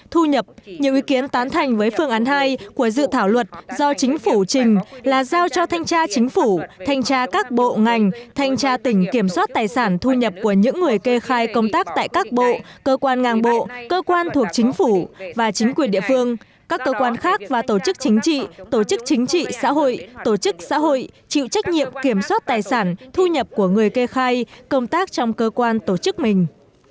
thu nhập những ý kiến tán thành với phương án hai của dự thảo luật do chính phủ trình là giao cho thanh tra chính phủ thanh tra các bộ ngành thanh tra tỉnh kiểm soát tài sản thu nhập của những người kê khai công tác tại các bộ cơ quan ngang bộ cơ quan thuộc chính phủ và chính quyền địa phương các cơ quan khác và tổ chức chính trị tổ chức chính trị xã hội tổ chức xã hội chịu trách nhiệm kiểm soát tài sản thu nhập của người kê khai công tác trong cơ quan tổ chức mình